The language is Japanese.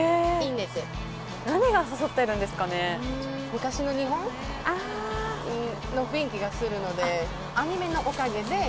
昔の日本の雰囲気がするので。